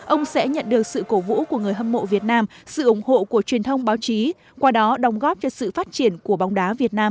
ông sẽ nhận được sự cổ vũ của người hâm mộ việt nam sự ủng hộ của truyền thông báo chí qua đó đồng góp cho sự phát triển của bóng đá việt nam